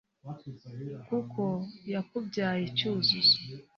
Kuko yakubyaye Cyuzuzo